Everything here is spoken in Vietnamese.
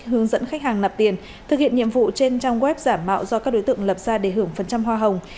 hướng dẫn khách hàng nạp tiền thực hiện nhiệm vụ trên trang web giả mạo do các đối tượng lập ra để hưởng phần trăm hoa hồng